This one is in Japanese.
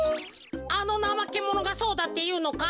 あのナマケモノがそうだっていうのか？